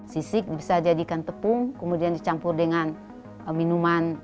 sisi ini bisa dijadikan tepung kemudian dicampur dengan minuman